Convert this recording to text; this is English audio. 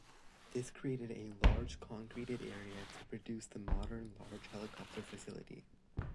This created a large concreted area to produce the modern, large helicopter facility.